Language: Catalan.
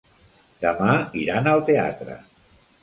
Demà iran al teatre.